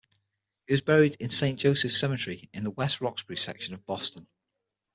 He was buried in Saint Joseph Cemetery in the West Roxbury section of Boston.